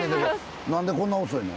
何でこんな遅いの？